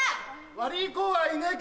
悪ぃ子はいねえが。